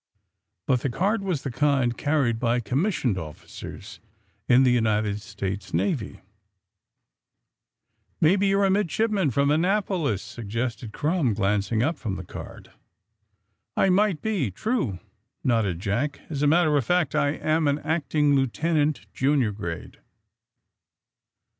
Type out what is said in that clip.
But the card was of the kind carried by conmiissioned officers in the United States Navy. AND THE SMUGGLERS 9 Maybe, you're a midshipman, from Annap olis T' suggested Krunnn, glancing up from the card. *^ I might be — true, ^' nodded Jack. '* As a mat ter of fact I am an acting lieutenant, junior grade."